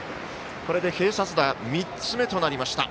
これで併殺打３つ目となりました。